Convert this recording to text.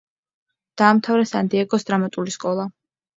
დაამთავრა სან-დიეგოს დრამატული სკოლა.